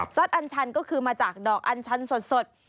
อันชันก็คือมาจากดอกอัญชันสด